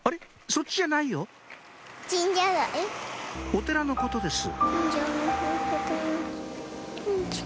そっちじゃないよお寺のことです